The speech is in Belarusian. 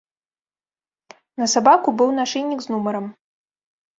На сабаку быў нашыйнік з нумарам.